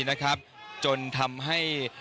นะครับจนทำให้